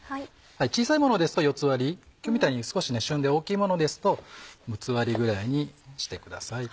小さいものですと４つ割り今日みたいに少し旬で大きいものですと６つ割りぐらいにしてください。